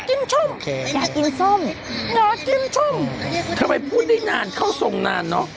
ทำไมพูดได้นานเข้าทรงนานเนอะ